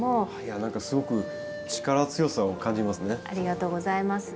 何かすごく力強さを感じますね。